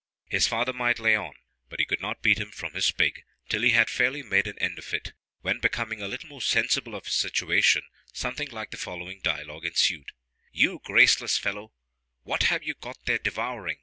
His father might lay on, but he could not beat him from his pig, till he had fairly made an end of it, when, becoming a little more sensible of his situation, something like the following dialogue ensued: "You graceless fellow, what have you got there devouring?